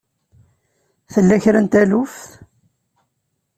Tella kra n taluft?